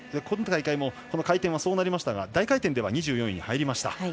今大会もこの回転はそうなりましたが大回転では２４位に入りました。